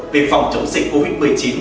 về phòng chống dịch covid một mươi chín